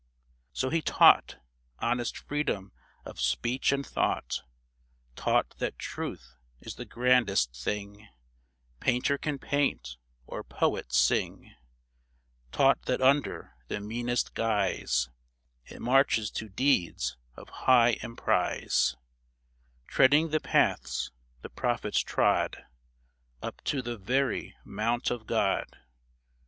So he taught Honest freedom of speech and thought ; Taught that Truth is the grandest thing Painter can paint, or poet sing ; Taught that under the meanest guise It marches to deeds of high emprise ; Treading the paths the prophets trod Up to the very mount of God